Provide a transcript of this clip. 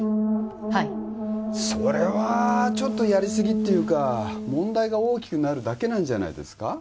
はいそれはちょっとやりすぎっていうか問題が大きくなるだけなんじゃないですか？